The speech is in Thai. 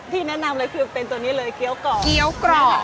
ที่แนะนำเลยคือเป็นตัวนี้เลยเกี้ยวกรอบ